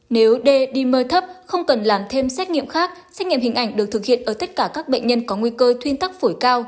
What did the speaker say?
nếu d đi thấp không cần làm thêm xét nghiệm khác xét nghiệm hình ảnh được thực hiện ở tất cả các bệnh nhân có nguy cơ thuyên tắc phổi cao